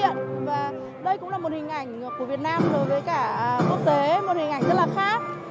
đây cũng là một hình ảnh của việt nam đối với cả quốc tế một hình ảnh rất là khác